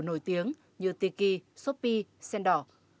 nổi tiếng như tiki shopee sendor